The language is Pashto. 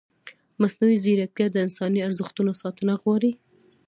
مصنوعي ځیرکتیا د انساني ارزښتونو ساتنه غواړي.